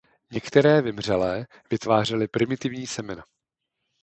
Některé vymřelé vytvářely primitivní semena.